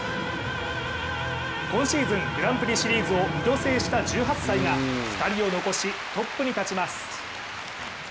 今シーズングランプリシリーズを２度制した１７歳が、２人を残し、トップに立ちます。